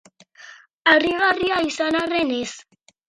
Harrigarria izan arren, ez.